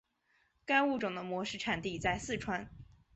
该物种的模式产地在四川。